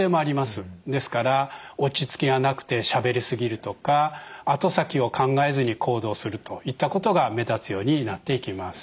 ですから落ち着きがなくてしゃべり過ぎるとか後先を考えずに行動するといったことが目立つようになっていきます。